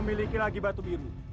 memiliki lagi batu biru